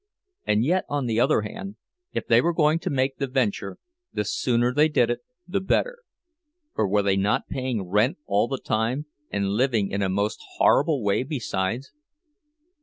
And yet, on the other hand, if they were going to make the venture, the sooner they did it the better, for were they not paying rent all the time, and living in a most horrible way besides?